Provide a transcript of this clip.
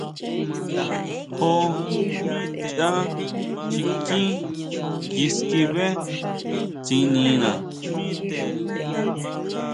Jo chʼá chikí kiskibé tsinina.